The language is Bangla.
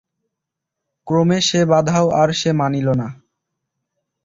ক্রমে সে বাধাও আর সে মানিল না।